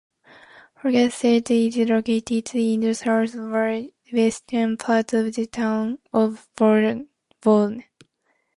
Pocasset is located in the southwestern part of the town of Bourne.